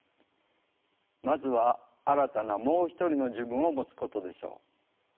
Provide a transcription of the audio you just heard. まずは新たな「もう一人の自分」をもつことでしょう。